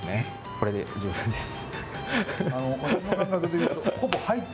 これで十分です。